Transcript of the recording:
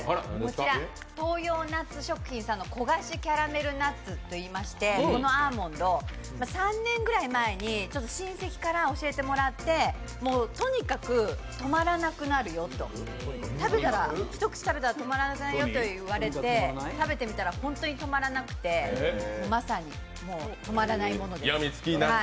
東洋ナッツ食品さんの焦がしキャラメルナッツといいましてこのアーモンド、３年ぐらい前に親戚から教えてもらって、もうとにかく止まらなくなるよと、一口食べたら止まらなくなるよと言われて食べてみたら本当に止まらなくてまさにもう止まらないものです。